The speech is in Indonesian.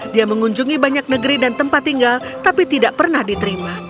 dia mengunjungi banyak negeri dan tempat tinggal tapi tidak pernah diterima